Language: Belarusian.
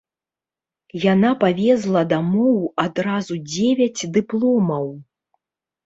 Яна павезла дамоў адразу дзевяць дыпломаў.